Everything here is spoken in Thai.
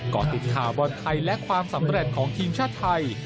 เกาะติดข่าวบอลไทยและความสำเร็จของทีมชาติไทย